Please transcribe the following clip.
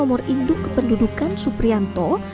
perintu kependudukan suprianto